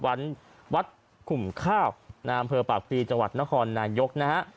วัดวัดขุมข้าวนามเภอปากปีจังหวัดนครนายกนะฮะ